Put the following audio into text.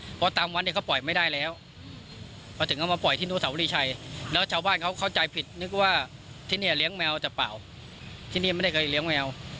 เพราะตามวัดเนี่ยเขาปล่อยไม่ได้แล้วพอถึงเอามาปล่อยที่นุสาวรีชัยแล้วชาวบ้านเขาเข้าใจผิดนึกว่าที่นี่เลี้ยงแมวแต่เปล่าที่นี่ไม่ได้เคยเลี้ยงแมว